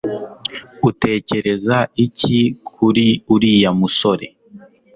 utekereza iki kuri uriya musore